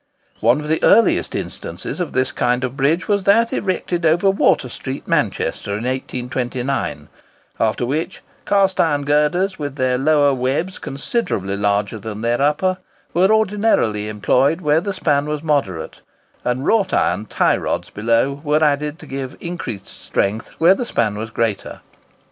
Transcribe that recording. One of the earliest instances of this kind of bridge was that erected over Water Street, Manchester, in 1829; after which, cast iron girders, with their lower webs considerably larger than their upper, were ordinarily employed where the span was moderate; and wrought iron tie rods below were added to give increased strength where the span was greater.